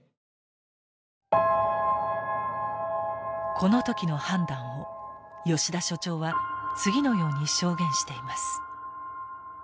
この時の判断を吉田所長は次のように証言しています。